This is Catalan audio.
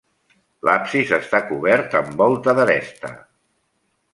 L'absis està cobert amb volta d'aresta.